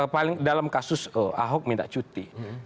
paling dalam kasus ahok minta cuti